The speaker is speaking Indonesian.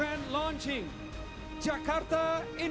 yang paling hebat suaranya